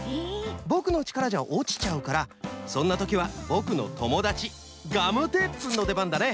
ぼくのちからじゃおちちゃうからそんなときはぼくのともだちガムテープくんのでばんだね！